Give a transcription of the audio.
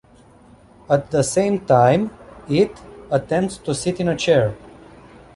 At the same time, "it" attempts to sit in a chair.